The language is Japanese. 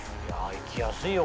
行きやすいよ